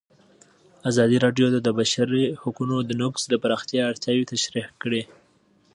ازادي راډیو د د بشري حقونو نقض د پراختیا اړتیاوې تشریح کړي.